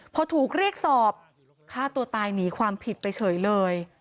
พอถูกเรียกสอบฆ่าตัวตายหนีความผิดไปเฉยเลย